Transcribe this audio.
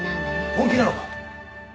本気なのか！？